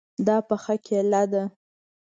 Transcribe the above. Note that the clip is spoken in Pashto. دا پخه کیله ده